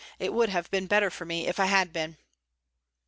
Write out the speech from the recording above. It would have been better for me if I had been.'